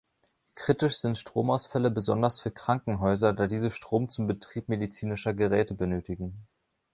Kritisch sind Stromausfälle besonders für Krankenhäuser, da diese Strom zum Betrieb medizinischer Geräte benötigen.